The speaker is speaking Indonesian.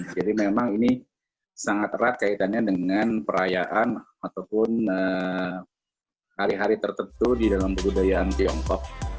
memang ini sangat erat kaitannya dengan perayaan ataupun hari hari tertentu di dalam kebudayaan tiongkok